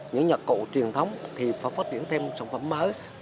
những nhạc cụ truyền thống thì phải phát triển thêm sản phẩm mới